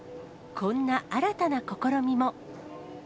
こんな新たな試みも。